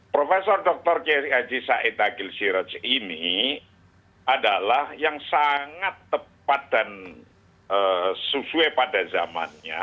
prof dr kiai haji said agil siroj ini adalah yang sangat tepat dan sesuai pada zamannya